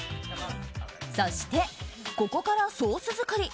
そして、ここからソース作り。